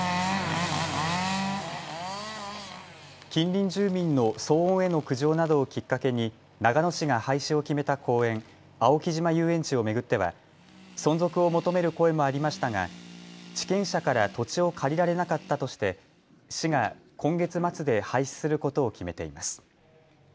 近隣住民の騒音への苦情などをきっかけに長野市が廃止を決めた公園、青木島遊園地を巡っては存続を求める声もありましたが地権者から土地を借りられなかったとして市が今月末で廃止することを決めています。